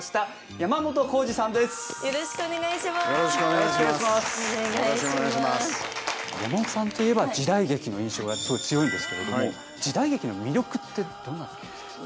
山本さんといえば時代劇の印象がすごい強いんですけれども時代劇の魅力ってどんなとこですか？